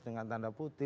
dengan tanda putih